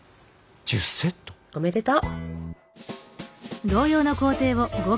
おめでとう！